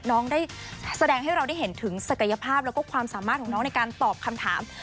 น้องได้แสดงให้เราได้เห็นถึงศักยภาพแล้วก็ความสามารถของน้องในการตอบคำถาม